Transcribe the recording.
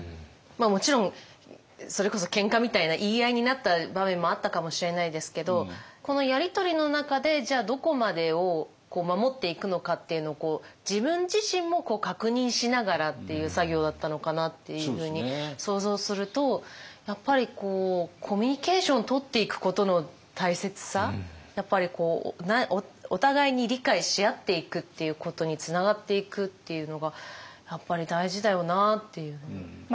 もちろんそれこそ喧嘩みたいな言い合いになった場面もあったかもしれないですけどこのやり取りの中でじゃあどこまでを守っていくのかっていうのを自分自身も確認しながらっていう作業だったのかなっていうふうに想像するとやっぱりやっぱりお互いに理解しあっていくっていうことにつながっていくっていうのがやっぱり大事だよなっていう。